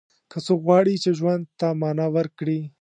که څوک غواړي چې ژوند ته معنا ورکړي.